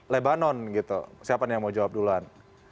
lebanon gitu siapa nih yang mau jawab duluan